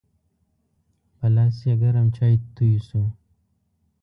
په لاس یې ګرم چای توی شو.